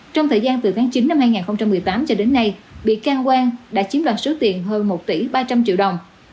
trong thời gian từ tháng chín năm hai nghìn một mươi tám cho đến nay bị can quang đã chiếm đoạt số tiền hơn một tỷ ba trăm linh triệu đồng